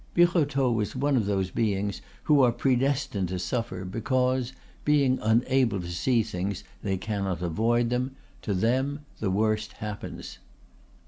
Birotteau was one of those beings who are predestined to suffer because, being unable to see things, they cannot avoid them; to them the worst happens.